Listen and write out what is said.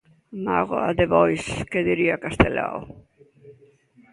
Mágoa de bois!, que diría Castelao.